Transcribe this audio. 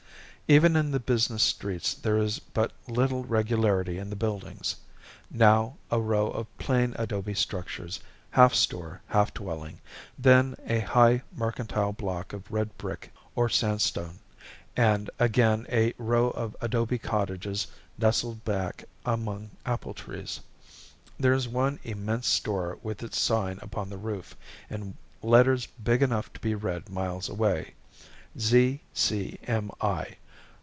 Even in the business streets there is but little regularity in the buildings—now a row of plain adobe structures, half store, half dwelling, then a high mercantile block of red brick or sandstone, and again a row of adobe cottages nestled back among apple trees. There is one immense store with its sign upon the roof, in letters big enough to be read miles away, "Z.C.M.I."